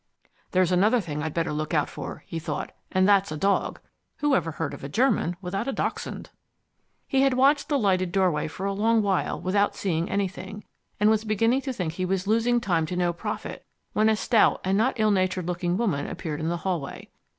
"There's another thing I'd better look out for," he thought, "and that's a dog. Who ever heard of a German without a dachshund?" He had watched the lighted doorway for a long while without seeing anything, and was beginning to think he was losing time to no profit when a stout and not ill natured looking woman appeared in the hallway.